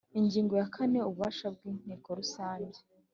Ingingo ya kane Ububasha bw Inteko Rusange